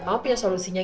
mau punya solusinya